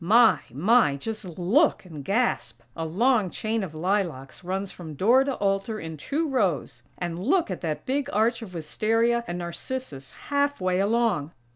My! My! Just look and gasp!! A long chain of lilacs runs from door to altar in two rows. And look at that big arch of wistaria and narcissus half way along!